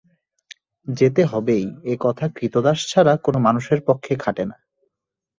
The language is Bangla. যেতে হবেই এ কথা ক্রীতদাস ছাড়া কোনো মানুষের পক্ষে খাটে না।